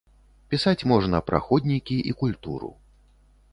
Пісаць можна пра ходнікі і культуру.